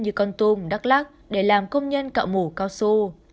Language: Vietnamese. như con tum đắk lắc để làm công nhân cạo mủ cao su